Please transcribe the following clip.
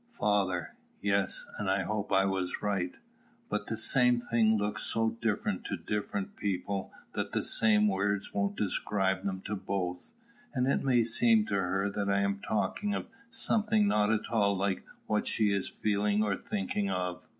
Father. Yes: and I hope I was right; but the same things look so different to different people that the same words won't describe them to both; and it may seem to her that I am talking of something not at all like what she is feeling or thinking of.